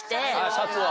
シャツを。